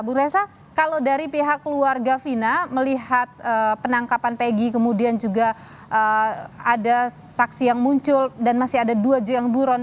bung reza kalau dari pihak keluarga fina melihat penangkapan peggy kemudian juga ada saksi yang muncul dan masih ada dua yang buron